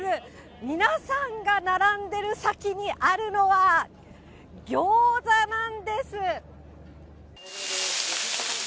皆さんが並んでる先にあるのは、餃子なんです。